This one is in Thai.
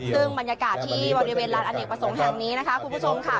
ซึ่งบรรยากาศที่บริเวณลานอเนกประสงค์แห่งนี้นะคะคุณผู้ชมค่ะ